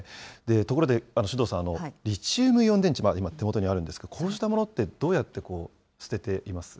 ところで首藤さん、リチウムイオン電池、今、手元にあるんですけれども、こうしたものってどうやって捨てています？